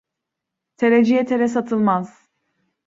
Tereciye tere satılmaz.